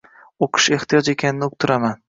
Oʻqish ehtiyoj ekanini uqtiraman.